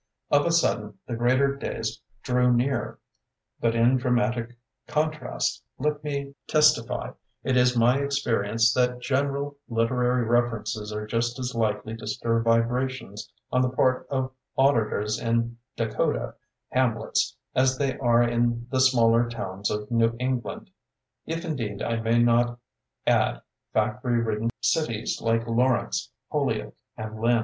Of a sudden, the greater days drew near. But in dramatic contrast, let me tes tify it is my experience that general literary references are just as likely to stir vibrations on the part of audi tors in Dakota hamlets as they are in the smaller towns of New England, — if indeed I may not add factory ridden cities like Lawrence, Holyoke, and Lynn.